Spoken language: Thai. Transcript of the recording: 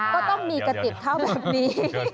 ก็ต้องมีกระติบเข้าแบบนี้